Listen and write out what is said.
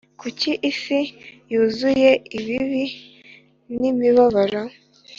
Kuki isi yuzuye ibibi n imibabaro